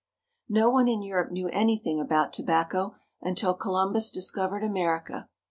No one in Europe knew anything about tobacco until Columbus discovered America.